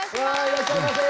いらっしゃいませ。